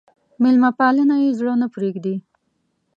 مېلمه پالنه يې زړه نه پرېږدي.